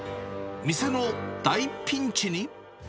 店の大ピンチに。